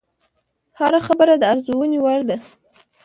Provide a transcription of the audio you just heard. هره خبره د ارزونې وړ ده